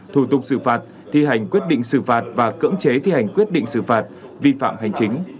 thủ tục xử phạt thi hành quyết định xử phạt và cưỡng chế thi hành quyết định xử phạt vi phạm hành chính